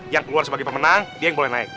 yang keluar sebagai pemenang dia yang boleh naik